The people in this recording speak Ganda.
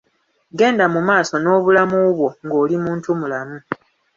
Genda mu maaso nobulamu bwo ng'oli muntu mulamu.